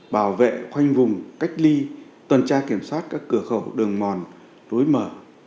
bảo vệ khoanh vùng cách ly tuần tra kiểm soát các cửa khẩu đường mòn lối mở